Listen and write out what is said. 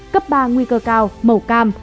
cấp ba nguy cơ cao màu cam